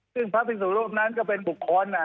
ซึ่งพระพิสุรูปนั้นก็เป็นบุคคล